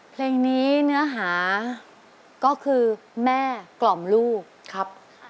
เพลงนี้เนื้อหาก็คือแม่กล่อมลูกครับ